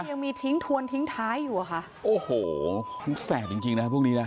ยังมีทิ้งทวนทิ้งท้ายอยู่อะค่ะโอ้โหมันแสบจริงจริงนะฮะพวกนี้นะ